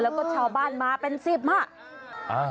แล้วก็ชาวบ้านมาเป็นสิบอ่ะ